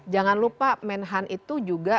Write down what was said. jangan lupa menhan itu juga